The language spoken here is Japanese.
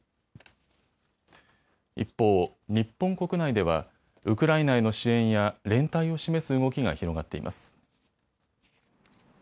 一方、日本国内ではウクライナへの支援や連帯を示す動きが広がっています。